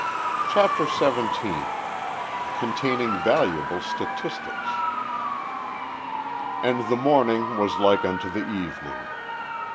_ CHAPTER XVII CONTAINING VALUABLE STATISTICS And the morning was like unto the evening.